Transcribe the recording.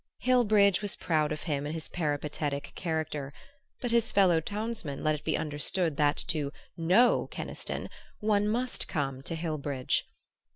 Hillbridge was proud of him in his peripatetic character, but his fellow townsmen let it be understood that to "know" Keniston one must come to Hillbridge.